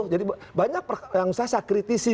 jadi banyak yang usaha kritis